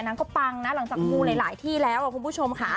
นั่นก็ปังนะหลังจากมูหลายที่แล้วเพราะพวกผู้ชมค่ะ